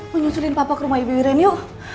menyusulin papa ke rumah iren yuk